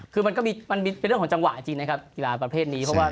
คือเป็นเรื่องของจังหวะจริงประเภทนี้